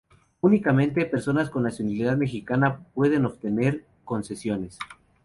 Únicamente, personas con nacionalidad mexicana pueden obtener concesiones.